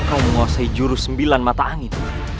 yang menguasai jurus sembilan mata angin